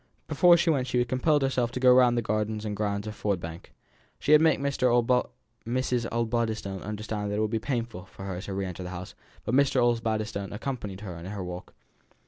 Before she went she compelled herself to go round the gardens and grounds of Ford Bank. She had made Mrs. Osbaldistone understand that it would be painful for her to re enter the house; but Mr. Osbaldistone accompanied her in her walk.